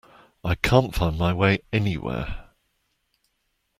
I can't find my way anywhere!